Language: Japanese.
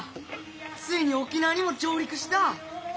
ついに沖縄にも上陸した！